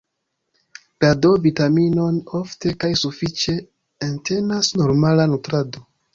La D-vitaminon ofte kaj sufiĉe entenas normala nutrado.